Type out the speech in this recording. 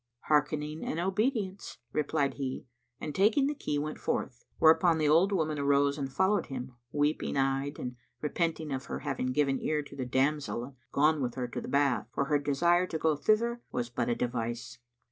"Hearkening and obedience," replied he and taking the key went forth, whereupon the old woman arose and followed him, weeping eyed and repenting her of having given ear to the damsel and gone with her to the bath, for her desire to go thither was but a device.